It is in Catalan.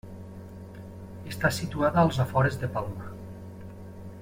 Està situada als afores de Palma.